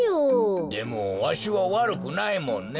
でもわしはわるくないもんね。